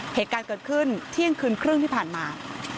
เหตุการณ์เกิดขึ้นเที่ยงคืนครึ่งที่ผ่านมา